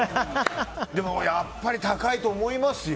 でもやっぱり高いと思いますよ。